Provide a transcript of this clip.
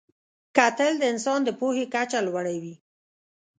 کتل د انسان د پوهې کچه لوړوي